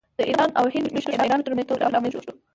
د ایران او هند میشتو شاعرانو ترمنځ توپیر رامنځته شو